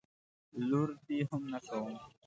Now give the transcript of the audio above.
لور دي هم نه کوم.